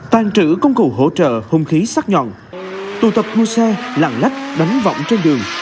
tàn trữ công cụ hỗ trợ hùng khí sắc nhọn tụ tập mua xe lặng lách đánh vọng trên đường